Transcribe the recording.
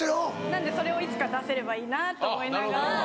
なのでそれをいつか出せればいいなと思いながら。